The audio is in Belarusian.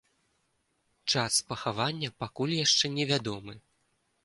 Час пахавання пакуль яшчэ невядомы.